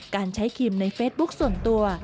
การใช้ครีมในเฟซบุ๊คส่วนตัว